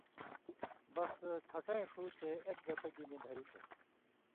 بس کھٹَیں ݜُو چے اک گتہ گی نی دھری تُھو۔